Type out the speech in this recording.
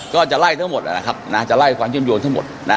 ก็จะไล่ทั้งหมดนะครับนะจะไล่ความเชื่อมโยงทั้งหมดนะ